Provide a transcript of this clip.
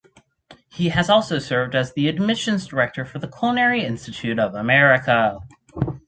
He has also served as the admissions director for the Culinary Institute of America.